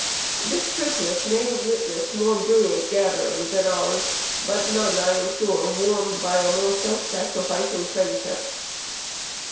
This Christmas may have witnessed more brilliant gatherings than ours; but none, I am sure, warmed by a more self sacrificing friendship.